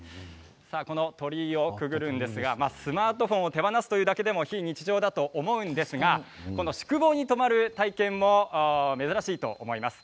この鳥居をくぐるんですがスマートフォンを手放すだけで非日常だと思うんですがこの宿坊に泊まる体験も珍しいと思います。